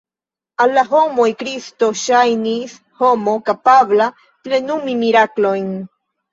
Al la homoj Kristo ŝajnis homo kapabla plenumi miraklojn.